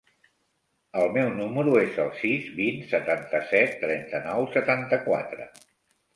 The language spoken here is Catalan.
El meu número es el sis, vint, setanta-set, trenta-nou, setanta-quatre.